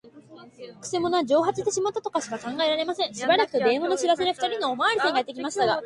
くせ者は蒸発してしまったとしか考えられません。しばらくすると、電話の知らせで、ふたりのおまわりさんがやってきましたが、